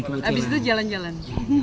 abis itu jalan jalan